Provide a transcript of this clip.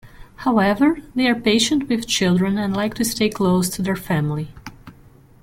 However, they are patient with children and like to stay close to their family.